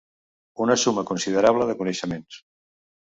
Una suma considerable de coneixements.